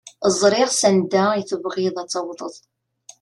Ẓriɣ s anda i tebɣiḍ ad tawḍeḍ.